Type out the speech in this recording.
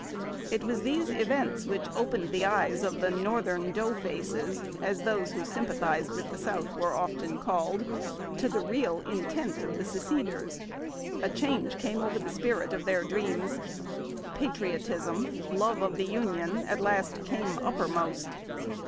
It was these events which opened the eyes of the '' Northern Doughfaces,'" as those who sympathized Avitli the South were often called, to the real intent of the Seceders. A change came over the spirit of their dreams. Patriotism, love of the Union, at last came uppermost.